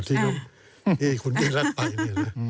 ที่คุณพิพรรณไปเนี่ย